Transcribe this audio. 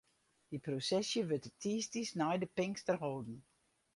Dy prosesje wurdt de tiisdeis nei de Pinkster holden.